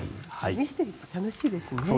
ミステリーで楽しいですよね。